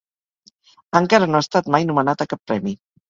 Encara no ha estat mai nomenat a cap premi.